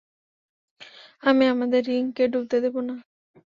আমি আমাদের রিং কে ডুবতে দিবো না!